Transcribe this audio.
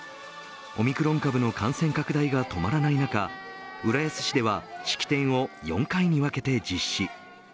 オミクロン株の感染拡大が止まらない中浦安市では、式典を４回に分けて実施。